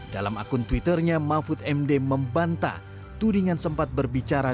dalam akun twitternya mahfud md membantah tudingan sempat berbicara